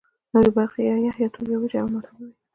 نورې برخې یا یخ، یا تود، یا وچه او مرطوبه وې.